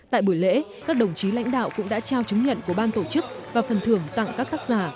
tại buổi lễ các đồng chí lãnh đạo cũng đã trao chứng nhận của ban tổ chức và phần thưởng tặng các tác giả